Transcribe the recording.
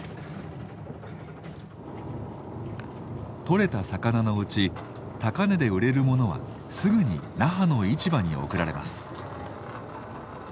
とれた魚のうち高値で売れるものはすぐに那覇の市場に送られます。